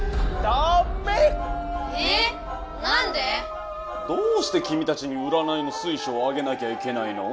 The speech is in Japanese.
どうしてきみたちにうらないの水晶をあげなきゃいけないの？